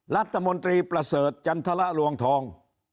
รัฐมนตรีประเสริฐจันทรลวงทอง